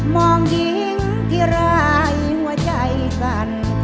มองหญิงที่รายหัวใจสั่น